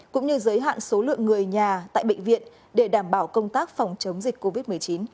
cũng như giới hạn số lượng người nhà tại bệnh viện để đảm bảo công tác phòng chống dịch covid một mươi chín